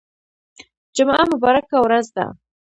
جمعه مبارکه ورځ ده